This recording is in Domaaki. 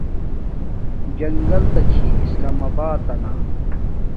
جنگل تا چھی سلام اباتنا